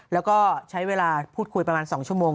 แล้วก็ใช้เวลาพูดคุยประมาณ๒ชั่วโมง